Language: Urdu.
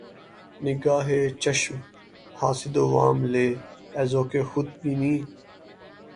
نگاۂ چشم حاسد وام لے اے ذوق خود بینی